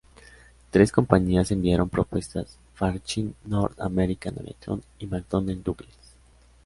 Tres compañías enviaron propuestas: Fairchild, North American Aviation y McDonnell Douglas.